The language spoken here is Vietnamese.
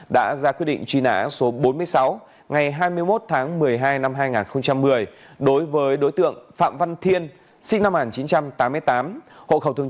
đã ra quyết định truy nã số bốn mươi sáu ngày hai mươi một tháng một mươi